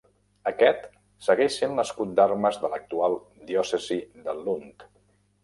Aquest segueix sent l'escut d'armes de l'actual diòcesi de Lund.